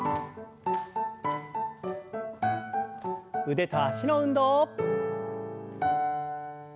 腕と脚の運動。